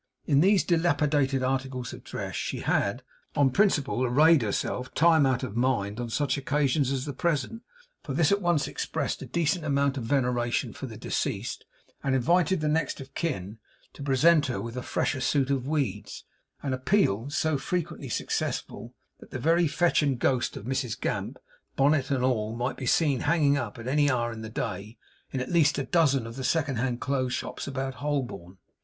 In these dilapidated articles of dress she had, on principle, arrayed herself, time out of mind, on such occasions as the present; for this at once expressed a decent amount of veneration for the deceased, and invited the next of kin to present her with a fresher suit of weeds; an appeal so frequently successful, that the very fetch and ghost of Mrs Gamp, bonnet and all, might be seen hanging up, any hour in the day, in at least a dozen of the second hand clothes shops about Holborn.